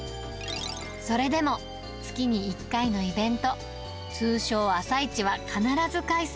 それでも、月に１回のイベント、通称、朝市は必ず開催。